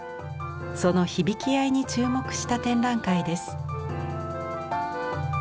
その響き合いに注目した展覧会です。